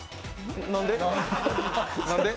何で？